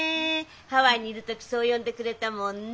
ハワイにいる時そう呼んでくれたもんね。